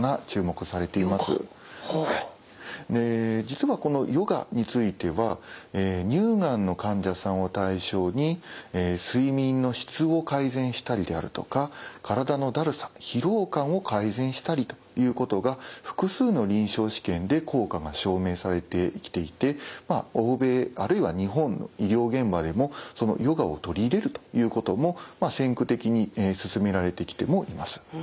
実はこのヨガについては乳がんの患者さんを対象に睡眠の質を改善したりであるとか体のだるさ疲労感を改善したりということが複数の臨床試験で効果が証明されてきていて欧米あるいは日本の医療現場でもヨガを取り入れるということも先駆的に進められてきてもいます。